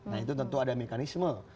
nah itu tentu ada mekanisme